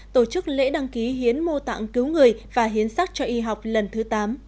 tổ chức lễ đăng ký hiến mô tạng cứu người và hiến sắc cho y học lần thứ tám